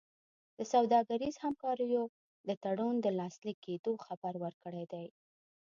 د سوداګریزو همکاریو د تړون د لاسلیک کېدو خبر ورکړی دی.